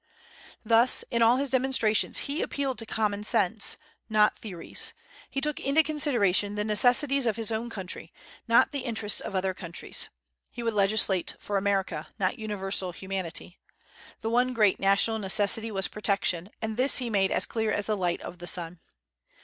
Thus in all his demonstrations he appealed to common sense, not theories. He took into consideration the necessities of his own country, not the interests of other countries. He would legislate for America, not universal humanity. The one great national necessity was protection, and this he made as clear as the light of the sun.